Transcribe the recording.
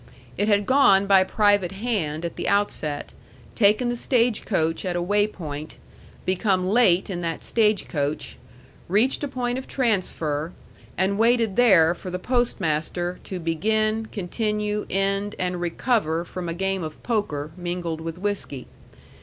It had gone by private hand at the outset, taken the stagecoach at a way point, become late in that stagecoach, reached a point of transfer, and waited there for the postmaster to begin, continue, end, and recover from a game of poker, mingled with whiskey.